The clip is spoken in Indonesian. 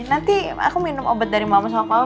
nanti aku minum obat dari mama sama kau